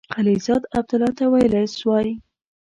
خلیلزاد عبدالله ته ویلای سوای.